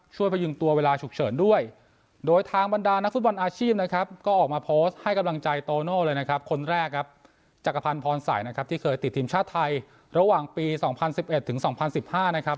จากภัณฑ์พรศัยนะครับที่เคยติดทีมชาติไทยระหว่างปี๒๐๑๑ถึง๒๐๑๕นะครับ